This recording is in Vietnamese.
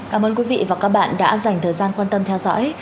cảm ơn quý vị và các bạn đã dành thời gian quan tâm theo dõi